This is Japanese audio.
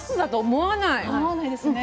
思わないですね。